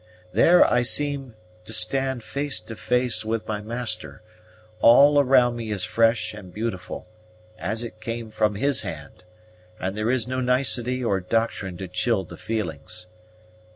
There I seem to stand face to face with my Master; all around me is fresh and beautiful, as it came from His hand; and there is no nicety or doctrine to chill the feelings.